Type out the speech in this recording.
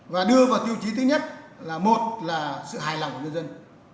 và đưa vào tiêu chí thứ nhất là một là sự hài lòng của nhân dân